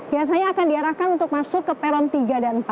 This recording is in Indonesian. biasanya akan diarahkan untuk masuk ke peron tiga dan empat